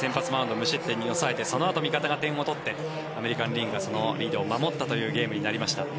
無失点に抑えてそのあと味方が点を取ってアメリカン・リーグがそのリードを守ったというゲームになりました。